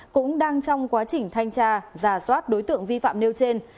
cũng đang trong quá trình thanh tra giả soát đối tượng vi phạm nêu trên